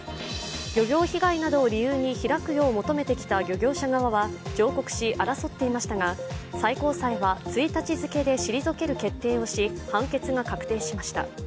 漁業被害などを理由に開くように求めた漁業者側は上告し争ってきましたが最高裁は１日付けで退ける決定をし判決が確定しました。